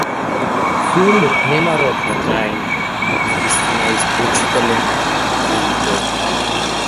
Филмот нема рок на траење, навистина е исклучителен, вели тој.